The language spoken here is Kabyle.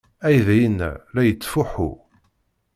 Aydi-inna la yettfuḥu!